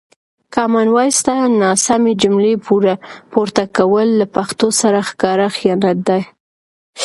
کامن وایس ته ناسمې جملې پورته کول له پښتو سره ښکاره خیانت دی.